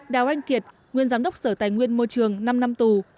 đào anh kiệt nguyên giám đốc sở tài nguyên môi trường năm năm tù